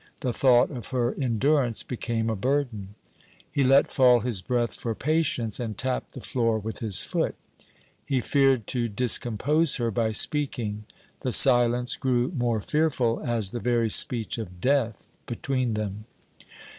The thought of her endurance became a burden. He let fall his breath for patience, and tapped the floor with his foot. He feared to discompose her by speaking. The silence grew more fearful, as the very speech of Death between them.